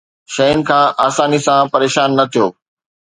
شين کان آساني سان پريشان نه ٿيو